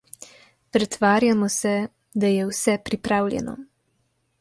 Pretvarjamo se, da je vse pripravljeno.